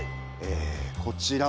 こちら！